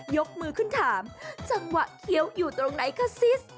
ยกมือขึ้นถามจังหวะเคี้ยวอยู่ตรงไหนคะซิส